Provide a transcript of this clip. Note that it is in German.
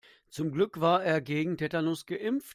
Zum Glück war er gegen Tetanus geimpft.